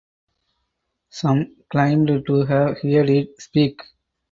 Some claimed to have heard it speak.